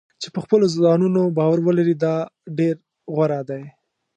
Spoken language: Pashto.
چې په خپلو ځانونو باور ولري دا ډېر غوره دی.